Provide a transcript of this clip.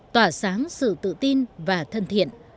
tỏa sáng sự tự tin và thân thiện